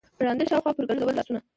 ړانده شاوخوا پر ګرځول لاسونه